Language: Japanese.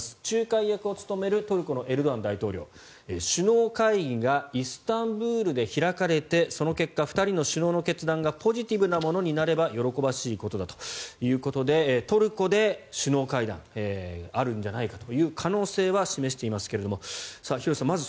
仲介役を務めるトルコのエルドアン大統領首脳会談がイスタンブールで開かれてその結果、２人の首脳の決断がポジティブなものになれば喜ばしいことだということでトルコで首脳会談があるんじゃないかという可能性は示していますが、廣瀬さん